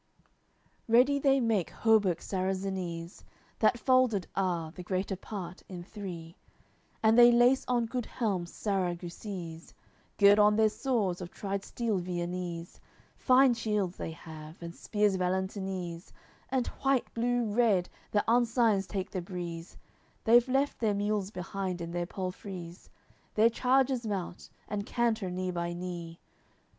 LXXIX Ready they make hauberks Sarrazinese, That folded are, the greater part, in three; And they lace on good helms Sarragucese; Gird on their swords of tried steel Viennese; Fine shields they have, and spears Valentinese, And white, blue, red, their ensigns take the breeze, They've left their mules behind, and their palfreys, Their chargers mount, and canter knee by knee.